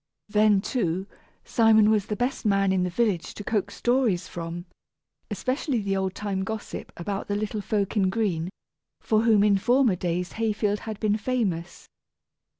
Then, too, Simon was the best man in the village to coax stories from, especially the old time gossip about the little folk in green, for whom in former days Hayfield had been famous.